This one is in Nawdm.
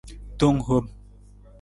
Tong hom.